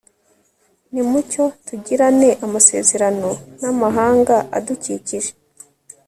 nimucyo tugirane amasezerano n'amahanga adukikije